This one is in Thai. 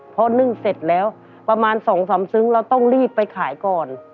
พอนึ่งเสร็จแล้วประมาณ๒๓ซึ้งเราต้องรีบไปขายก่อน